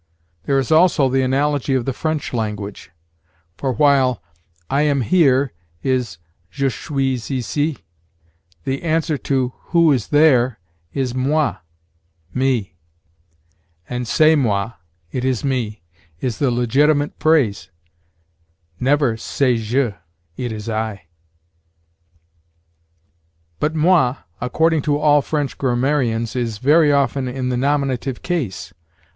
There is also the analogy of the French language; for while 'I am here' is je suis ici, the answer to 'who is there?' is moi (me); and c'est moi (it is me) is the legitimate phrase never c'est je (it is I)." But moi, according to all French grammarians, is very often in the nominative case.